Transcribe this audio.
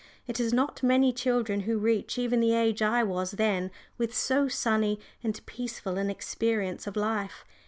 It is not many children who reach even the age I was then with so sunny and peaceful an experience of life.